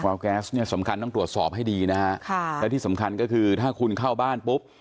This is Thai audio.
แก๊สเนี่ยสำคัญต้องตรวจสอบให้ดีนะฮะค่ะและที่สำคัญก็คือถ้าคุณเข้าบ้านปุ๊บ